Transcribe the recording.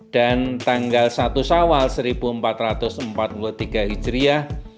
dan tanggal satu sawal seribu empat ratus empat puluh tiga hijriah